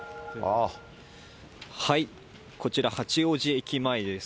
こちら、八王子駅前です。